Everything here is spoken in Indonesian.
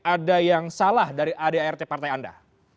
ada yang salah dari adart partai anda